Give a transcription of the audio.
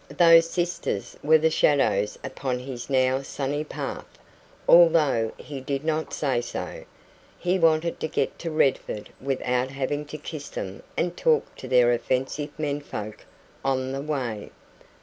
Those sisters were the shadows upon his now sunny path, although he did not say so; he wanted to get to Redford without having to kiss them and talk to their offensive men folk on the way.